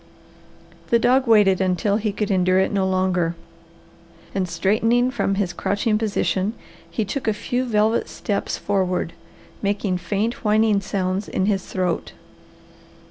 The dog waited until he could endure it no longer, and straightening from his crouching position, he took a few velvet steps forward, making faint, whining sounds in his throat.